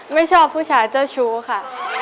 ไม่ชอบผู้ชายเจ้าชู้ค่ะ